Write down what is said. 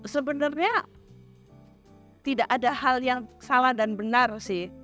sebenarnya tidak ada hal yang salah dan benar sih